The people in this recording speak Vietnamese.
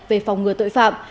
về phòng chống tội phạm